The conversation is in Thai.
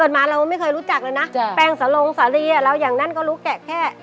มาเราไม่เคยรู้จักเลยนะจ้ะแป้งสลงสาลีอ่ะแล้วอย่างนั้นก็รู้แกะแค่